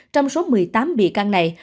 trong số một mươi tám bị can này